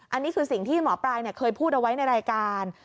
อันนี้คือสิ่งที่หมอปลายเคยพูดเอาไว้ในรายการ